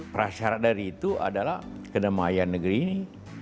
prasyarat dari itu adalah kedamaian negeri ini